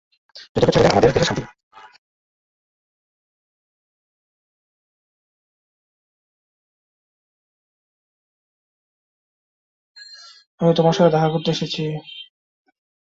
আমি তোমার সাথে দেখা করতে আসছি।